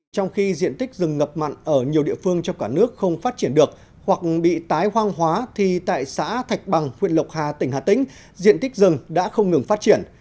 trong khi diện tích rừng ngập mặn ở nhiều địa phương trong cả nước không phát triển được hoặc bị tái hoang hóa thì tại xã thạch bằng huyện lộc hà tỉnh hà tĩnh diện tích rừng đã không ngừng phát triển